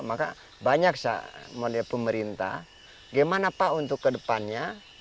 maka banyak pemerintah gimana pak untuk ke depannya